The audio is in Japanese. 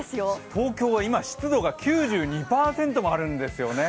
東京は今湿度が９２％もあるんですよね。